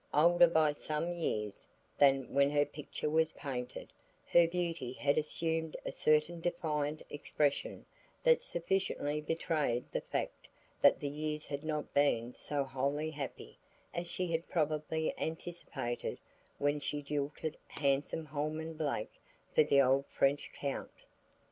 Older by some few years than when her picture was painted, her beauty had assumed a certain defiant expression that sufficiently betrayed the fact that the years had not been so wholly happy as she had probably anticipated when she jilted handsome Holman Blake for the old French Count.